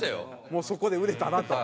もうそこで売れたなと？